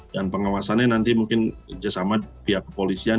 dan pengawasannya nanti mungkin sama pihak kepolisian